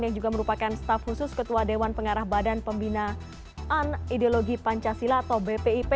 yang juga merupakan staf khusus ketua dewan pengarah badan pembinaan ideologi pancasila atau bpip